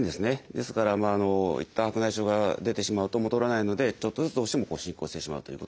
ですからいったん白内障が出てしまうと戻らないのでちょっとずつどうしても進行してしまうということになります。